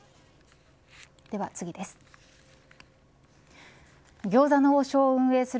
では、次です。